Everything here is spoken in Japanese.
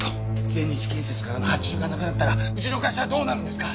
全日建設からの発注がなくなったらうちの会社はどうなるんですか！